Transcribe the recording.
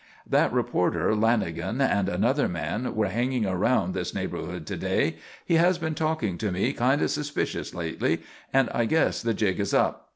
_ "_That reporter Lanagan and another man were hanging around this neighbourhood to day. He has been talking to me kind of suspicious lately and I guess the jig is up.